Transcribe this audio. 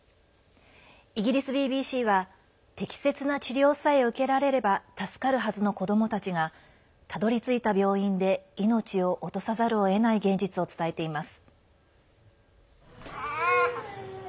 イギリスＢＢＣは適切な治療さえ受けられれば助かるはずの子どもたちがたどりついた病院で命を落とさざるをえない現実を伝えています。